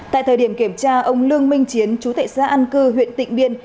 tại thời điểm kiểm tra ông lương minh chiến chú tệ xã an cư huyện tịnh biên